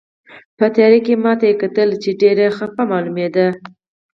په تیارې کې یې ما ته کتل، چې ډېره خپه ښکارېده.